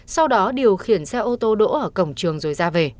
sau đó điều khiển xe ô tô đỗ ở cổng trường rồi ra về